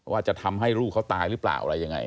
ว่าจะทำให้ลูกเขาตายหรือเปล่าอะไรยังไง